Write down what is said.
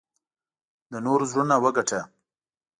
د نورو زړونه وګټه .